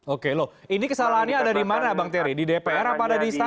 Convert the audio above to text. oke loh ini kesalahannya ada di mana bang terry di dpr apa ada di istana